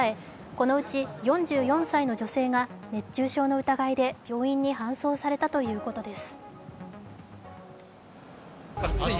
このうち４４歳の女性が熱中症の疑いで病院に搬送されたということです。